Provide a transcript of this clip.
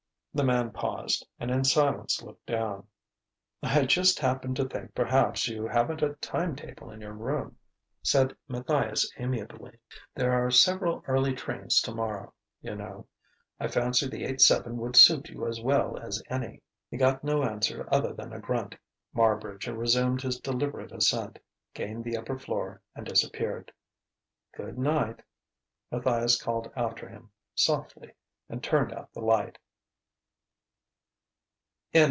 The man paused, and in silence looked down. "I just happened to think perhaps you haven't a time table in your room," said Matthias amiably. "There are several early trains tomorrow, you know. I fancy the eight seven would suit you as well as any." He got no answer other than a grunt. Marbridge resumed his deliberate ascent, gained the upper floor, and disappeared. "Good night!" Matthias called after him, softly; and turned out the light.